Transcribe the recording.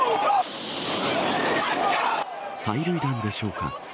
催涙弾でしょうか。